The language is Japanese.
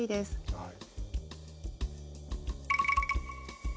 はい。